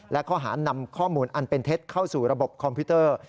และข้อหานำข้อมูลอันเป็นเท็จเข้าสู่ระบบคอมพิวเตอร์